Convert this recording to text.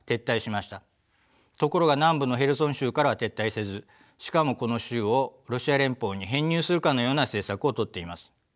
ところが南部のヘルソン州からは撤退せずしかもこの州をロシア連邦に編入するかのような政策をとっています。